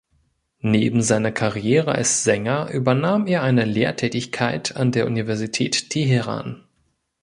Neben seiner Karriere als Sänger übernahm er eine Lehrtätigkeit an der Universität Teheran.